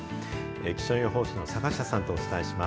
気象予報士の坂下さんとお伝えします。